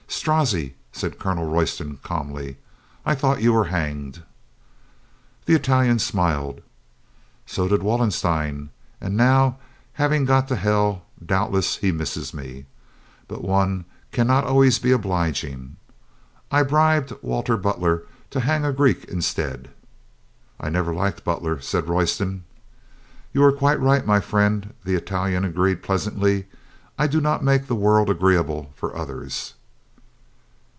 "Strozzi !" said Colonel Royston calmly. "I thought you were hanged." The Italian smiled. "So did Wallenstein. And now, having got to hell, doubtless he misses me. But one can not be always obliging. I bribed Wal ter Butler to hang a Greek instead." "I never liked Butler," said Royston. "You are quite right, my friend," the Italian agreed pleasantly. "I do not make the world agree able for others."